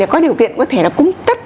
có điều kiện có thể là cung tất